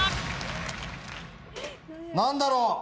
何だろう？